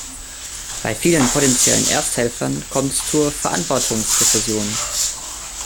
Bei vielen potenziellen Ersthelfern kommt es zur Verantwortungsdiffusion.